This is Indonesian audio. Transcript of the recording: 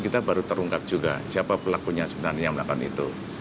terungkap juga siapa pelakunya sebenarnya yang melakukan itu